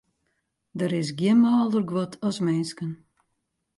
Der is gjin mâlder guod as minsken.